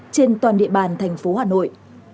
trên toàn địa bàn thành phố hà nội